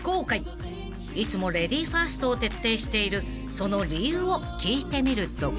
［いつもレディーファーストを徹底しているその理由を聞いてみると］